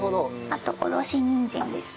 あとおろしにんじんです。